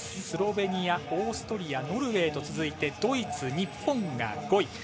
スロベニア、オーストリアノルウェーと続いてドイツ、日本が５位。